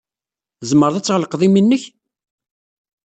Tzemred ad tɣelqed imi-nnek?